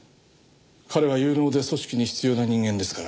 彼は有能で組織に必要な人間ですから。